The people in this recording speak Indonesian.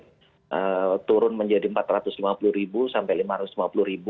jadi kita bisa mengatasi pandemi ini turun menjadi empat ratus lima puluh sampai lima ratus lima puluh